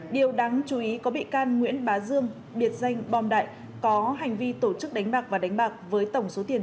điều đáng chú ý có bị can nguyễn bá dương biệt danh bom đại có hành vi tổ chức đánh bạc và đánh bạc với tổng số tiền